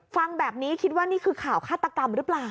ฟังแบบนี้คิดว่านี่คือข่าวฆาตกรรมหรือเปล่า